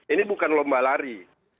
ini bukan lomba lari